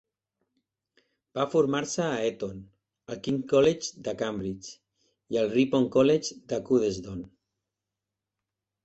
Va formar-se a Eton, el King's College de Cambridge i el Ripon College de Cuddesdon.